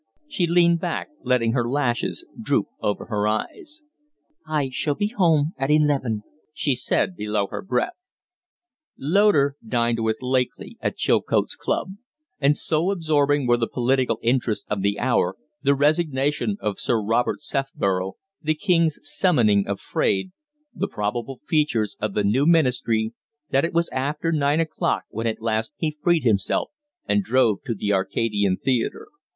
She leaned back, letting her lashes droop over her eyes. "I shall be home at eleven," she said below her breath. Loder dined with Lakely at Chilcote's club; and so absorbing were the political interests of the hour the resignation of Sir Robert Sefborough, the King's summoning of Fraide, the probable features of the new ministry that it was after nine o'clock when at last he freed himself and drove to the "Arcadian" Theatre.